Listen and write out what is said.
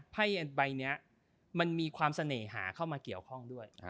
ไ่อนี้มันมีความเสน่หาเข้ามาเกี่ยวข้องด้วย